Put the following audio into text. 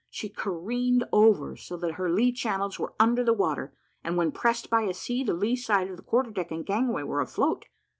She careened over so that her lee channels were under the water; and when pressed by a sea, the lee side of the quarter deck and gangway were afloat.